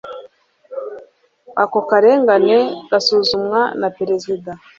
ako karengane gasuzumwa na perezida